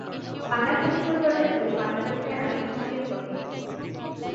বাংলা সাহিত্য চর্চায় তিনি বাংলাদেশের আলেম সমাজের পথিকৃৎ।